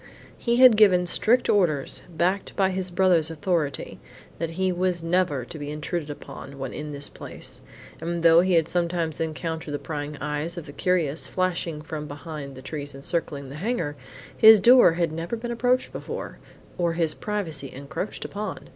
He had given strict orders, backed by his brother's authority, that he was never to be intruded upon when in this place; and though he had sometimes encountered the prying eyes of the curious flashing from behind the trees encircling the hangar, his door had never been approached before, or his privacy encroached upon.